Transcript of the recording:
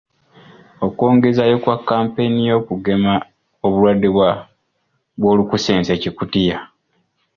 Okwongezaayo kwa kampeyini y'okugema obulwadde bw'olukusense-Kikutiya.